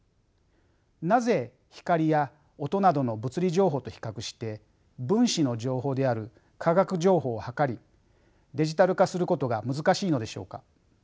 なぜ光や音などの物理情報と比較して分子の情報である化学情報を測りデジタル化することが難しいのでしょうか？